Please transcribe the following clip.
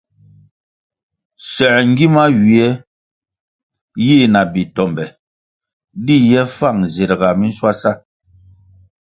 Soē ngima ywie yi na bi tombe di ye fang zirga minshwasa.